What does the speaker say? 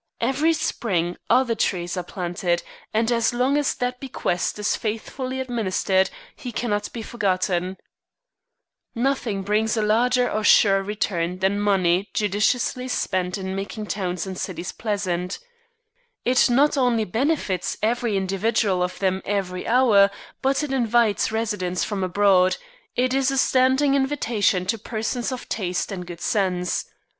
Every spring other trees are planted, and, as long as that bequest is faithfully administered, he cannot be forgotten. Nothing brings a larger or surer return than money judiciously spent in making towns and cities pleasant. It not only yields a great revenue of pleasure and satisfaction to the inhabitants; it not only benefits every individual of them every hour, but it invites residents from abroad; it is a standing invitation to persons of taste and good sense.